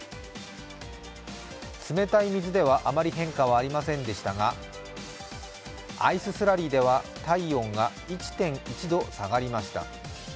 冷たい水ではあまり変化はありませんでしたが、アイススラリーでは体温が１．１度下がりました。